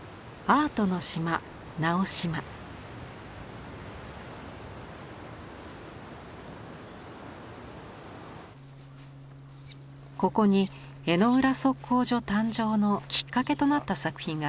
ここに江之浦測候所誕生のきっかけとなった作品があります。